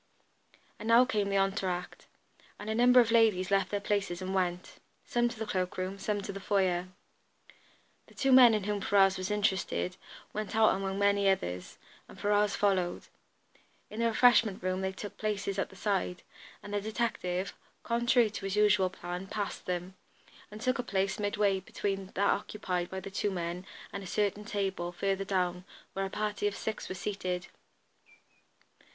And now came the entre acte, and a number of ladies left their places and went, some to the cloak room, some to the foyer. The two men in whom Ferrars was interested went out among many others, and Ferrars followed. In the refreshment room they took places at the side, and the detective, contrary to his usual plan, passed them, and took a place midway between that occupied by the two men and a certain table, further down, where a party of six were seated.